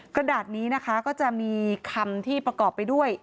กระดาษนี้นะคะก็จะมีคำที่ประกอบไปด้วย